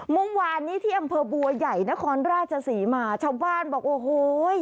เมื่อวานนี้ที่อำเภอบัวใหญ่นครราชศรีมาชาวบ้านบอกโอ้โห